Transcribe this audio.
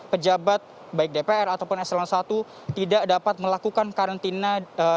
pejabat baik dpr ataupun eselon i tidak dapat melakukan karantina